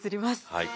はい。